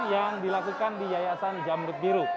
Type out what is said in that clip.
yang dilakukan di yayasan jamrut biru